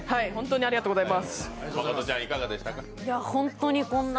ありがとうございます。